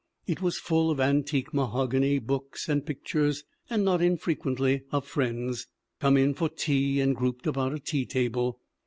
It was full of antique mahogany, books and pictures and not infrequently of friends come in for tea and grouped about a tea table.